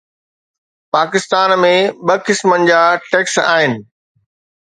پاڪستان ۾ ٻه قسم جا ٽيڪس آهن.